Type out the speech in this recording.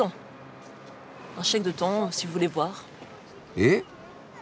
えっ？